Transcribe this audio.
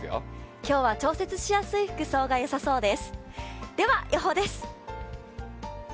今日は調節しやすい服装がよさそうです。